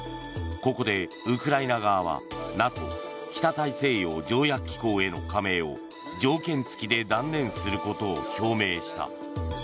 ここでウクライナ側はＮＡＴＯ・北大西洋条約機構への加盟を条件付きで断念することを表明した。